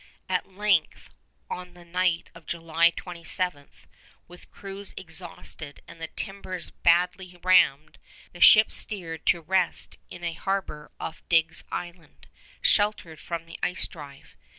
At length on the night of July 27, with crews exhausted and the timbers badly rammed, the ships steered to rest in a harbor off Digge's Island, sheltered from the ice drive.